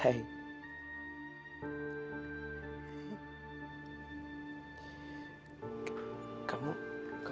saat ini sudah kalah